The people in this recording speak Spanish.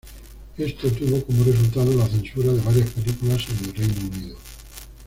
Esto tuvo como resultado la censura de varias películas en el Reino Unido.